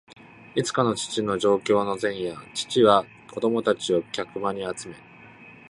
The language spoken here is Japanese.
いつかの父の上京の前夜、父は子供たちを客間に集め、